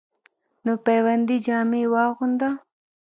نو پیوندي جامې واغوندۀ،